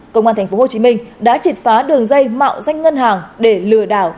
công an tp hcm đã triệt phá đường dây mạo danh ngân hàng để lừa đảo